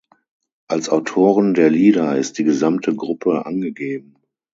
Als Autoren der Lieder ist die gesamte Gruppe angegeben.